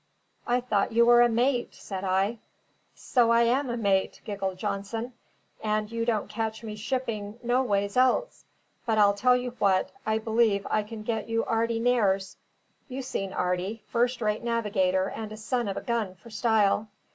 "I thought you were a mate?" said I. "So I am a mate," giggled Johnson, "and you don't catch me shipping noways else. But I'll tell you what, I believe I can get you Arty Nares: you seen Arty; first rate navigator and a son of a gun for style."